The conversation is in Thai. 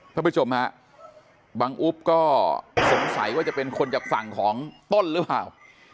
ท่านผู้ชมฮะบังอุ๊บก็สงสัยว่าจะเป็นคนจากฝั่งของต้นหรือเปล่า